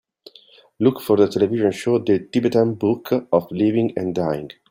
look for the television show The Tibetan Book of Living and Dying